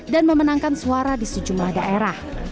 dan memenangkan suara di sejumlah daerah